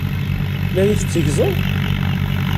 La yi-tetteggzeḍ?